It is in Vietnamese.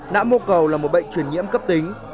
nã mồ cầu là một bệnh truyền nhiễm cấp tính